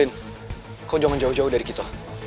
lin kau jangan jauh jauh dari kita